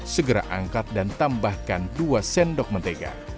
segera angkat dan tambahkan dua sendok mentega